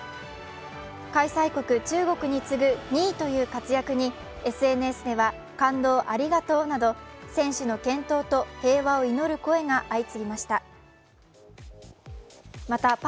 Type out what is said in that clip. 開催国・中国に次ぐ２位という活躍に、ＳＮＳでは感動ありがとうなど、選手の健闘と平和を祈る声が相次ぎました。